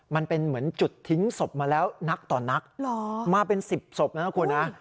มันเป็นเหมือนจุดทิ้งศพมาแล้วนักต่อนักหรอมาเป็นสิบศพนะครับคุณฮะ